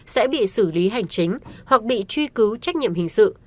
sẽ bị xử lý hành chính hoặc bị truy cứu trách nhiệm hình sự